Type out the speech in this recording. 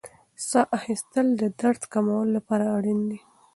ساه اخیستل د درد د کمولو لپاره اړین دي.